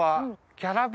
キャラ弁？